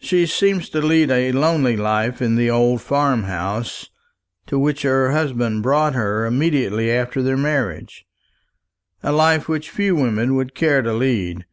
She seems to lead a lonely life in the old farm house to which her husband brought her immediately after their marriage a life which few women would care to lead.